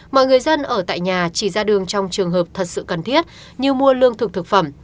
mọi người dân ở tại nhà chỉ ra đường trong trường hợp thật sự cần thiết như mua lương thực thực phẩm